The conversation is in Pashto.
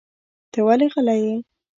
ته ولې غلی یې؟